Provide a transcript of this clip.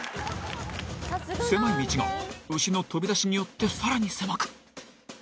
狭い道が牛の飛び出しによって更に狭く。